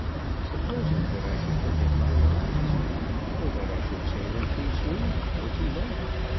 Supposing that I should forget my lines! Or that I should say them too soon! Or too late!